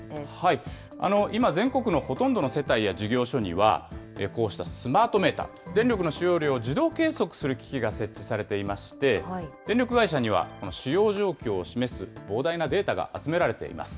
今、全国のほとんどの世帯や事業所には、こうしたスマートメーター、電力の使用量を自動計測する機器が設置されていまして、電力会社には、この使用状況を示す膨大なデータが集められています。